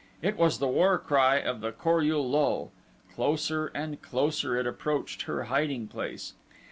It was the war cry of the Kor ul lul. Closer and closer it approached her hiding place.